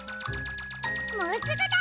もうすぐだ！